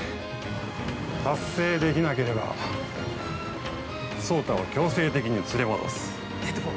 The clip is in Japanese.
◆達成できなければ、颯太は、強制的に連れ戻す。